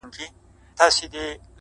• چي په دنيا کي محبت غواړمه؛